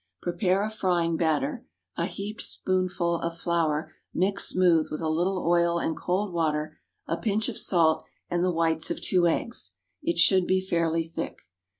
Prepare a frying batter a heaped spoonful of flour mixed smooth with a little oil and cold water, a pinch of salt, and the whites of two eggs it should be fairly thick.